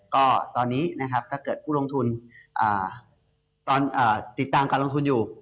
ก็ตอนนี้นะครับถ้าเกิดผู้ลงทุนติดตามการลงทุนอยู่